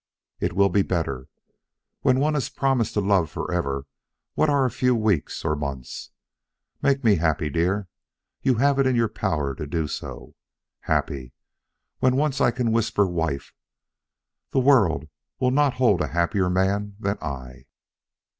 It will be better. When one has promised to love forever, what are a few weeks or months. Make me happy, dear. You have it in your power to do so. Happy! When once I can whisper 'wife,' the world will not hold a happier man than I."